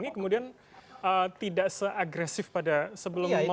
kemudian tidak seagresif pada sebelum momen itu